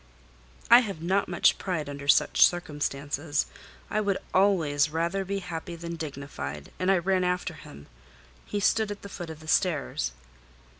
I have not much pride under such circumstances: I would always rather be happy than dignified; and I ran after him—he stood at the foot of the stairs.